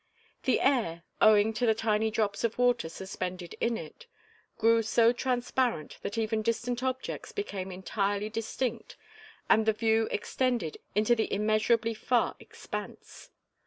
The air, owing to the tiny drops of water suspended in it, grew so transparent that even distant objects became entirely distinct and the view extended into the immeasurably far expanse.